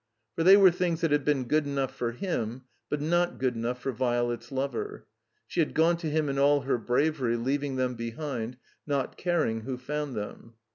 For they were things that had been good enough for him, but not good enough for Violet's lover. She had gone to him in all her bravery, leaving them behind, not caring who found them.